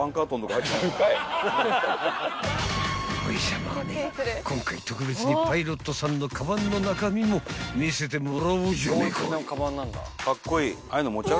［ほいじゃあまあね今回特別にパイロットさんのカバンの中身も見せてもらおうじゃねえか］